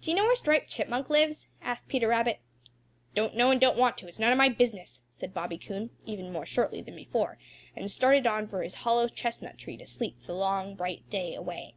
"Do you know where Striped Chipmunk lives?" asked Peter Rabbit. "Don't know and don't want to; it's none of my business," said Bobby Coon even more shortly than before, and started on for his hollow chestnut tree to sleep the long, bright day away.